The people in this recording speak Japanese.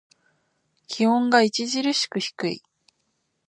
気温が著しく低い。